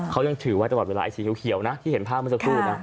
เขายังถือไว้ตลอดเวลาไอ้สีเขียวนะที่เห็นภาพเมื่อสักครู่นะ